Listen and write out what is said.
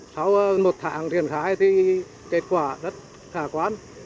sau một tháng thiền khai thì kết quả rất khả quán